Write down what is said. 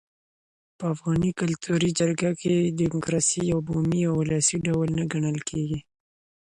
په افغاني کلتور کي جرګه د ډیموکراسۍ یو بومي او ولسي ډول ګڼل کيږي.